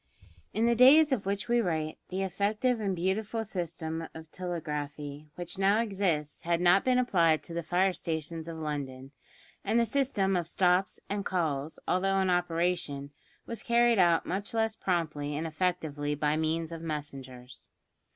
In the days of which we write the effective and beautiful system of telegraphy which now exists had not been applied to the fire stations of London, and the system of "stops" and "calls," although in operation, was carried out much less promptly and effectively by means of messengers.